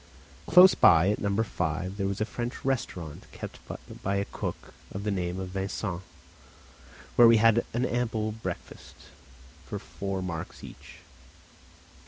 Close by, at No. 5, there was a French "restaurant," kept by a cook of the name of Vincent, where we had an ample breakfast for four marks each (2_s_.